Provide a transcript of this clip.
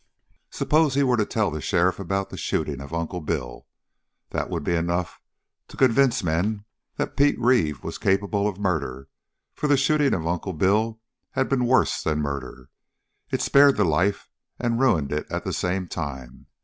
Suppose he were to tell the sheriff about the shooting of Uncle Bill? That would be enough to convince men that Pete Reeve was capable of murder, for the shooting of Uncle Bill had been worse than murder. It spared the life and ruined it at the same time.